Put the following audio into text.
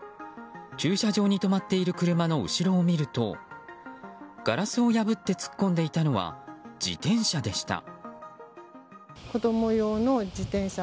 駐車場に止まっている車の後ろを見るとガラスを破って突っ込んでいたのは自転車でした。